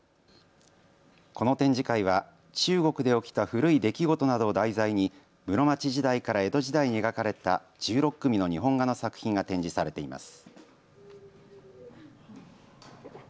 この展示会は中国で起きた古い出来事などを題材に室町時代から江戸時代に描かれた１６組の日本画の作品が展示されています。